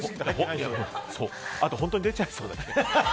あと本当に出ちゃいそう。